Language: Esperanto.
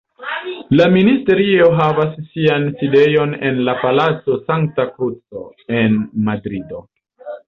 La Ministerio havas sian sidejon en la Palaco Sankta Kruco, en Madrido.